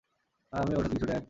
আর আমিও ওর সাথে কিছুটা একমত।